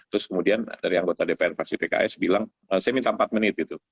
terus kemudian dari anggota dpr fraksi pks bilang saya minta empat menit gitu